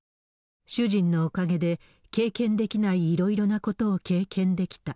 主人のおかげで経験できないいろいろなことを経験できた。